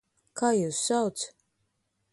Kā jūs sauc?